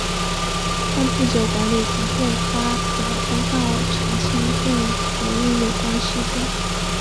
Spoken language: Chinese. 但不久管理层便发表公告澄清并否认有关事件。